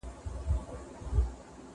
زده کړه د برياليتوب لومړی ګام دی.